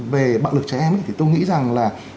về bạo lực trẻ em thì tôi nghĩ rằng là